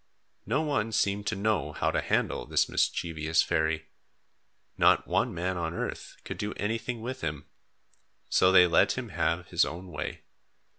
No one seemed to know how to handle this mischievous fairy. Not one man on earth could do anything with him. So they let him have his own way.